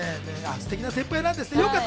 ステキな先輩なんですね。